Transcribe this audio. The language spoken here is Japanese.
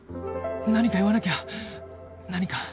何か言わなきゃ何か